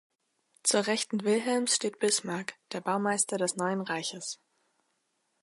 Zur Rechten Wilhelms steht Bismarck, der Baumeister des neuen Reiches.